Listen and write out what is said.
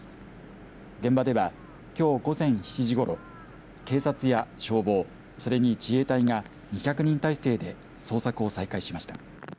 現場ではきょう午前７時ごろ警察や消防それに自衛隊が２００人態勢で捜索を再開しました。